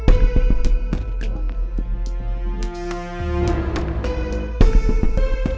tak ada perjanjian sama abajo